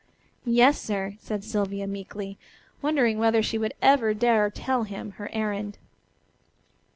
"Yes, sir," said Sylvia meekly, wondering whether she would ever dare tell him her errand.